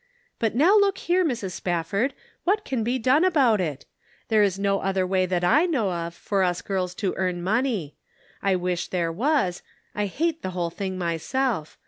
" But now look here, .Mrs. Spafford, what can be done about it ? There is no other way that I know of for us girls to earn money. I wish there was ; I hate the whole thing myself.